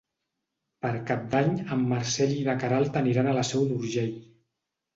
Per Cap d'Any en Marcel i na Queralt aniran a la Seu d'Urgell.